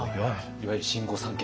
いわゆる新御三家。